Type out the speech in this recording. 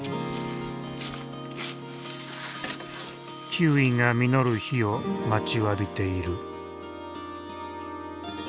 キウイが実る日を待ちわびている。